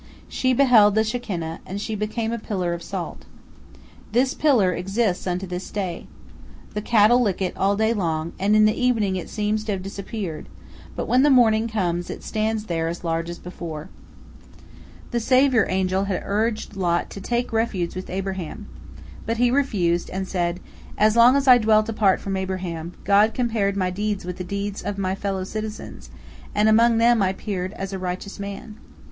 She beheld the Shekinah, and she became a pillar of salt. This pillar exists unto this day. The cattle lick it all day long, and in the evening it seems to have disappeared, but when morning comes it stands there as large as before. The savior angel had urged Lot himself to take refuge with Abraham. But he refused, and said: "As long as I dwelt apart from Abraham, God compared my deeds with the deeds of my fellow citizens, and among them I appeared as a righteous man.